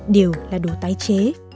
đều là đồ tái chế